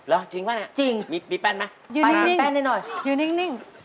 เหรอจริงป่ะน่ะมีแป้นไหมปร่างแป้นหน่อยแป้น